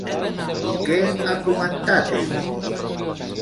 I què ha comentat ell?